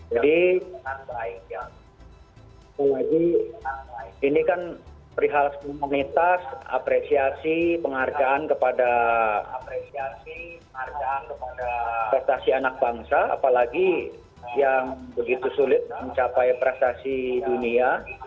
jadi ini kan perihal komunitas apresiasi penghargaan kepada prestasi anak bangsa apalagi yang begitu sulit mencapai prestasi dunia